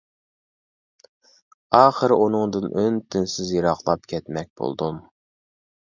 ئاخىرى ئۇنىڭدىن ئۈن تىنسىز يىراقلاپ كەتمەك بولدۇم.